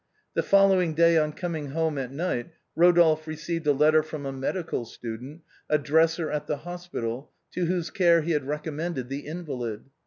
The following day on coming home at night, Eodolphe received a letter from a medical student, a dresser at the hospital, to whose care he had recommended the invalid.